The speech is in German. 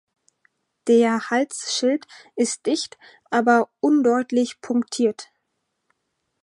Der Halsschild ist dicht aber undeutlich punktiert.